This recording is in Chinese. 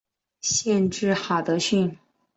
县治哈得逊。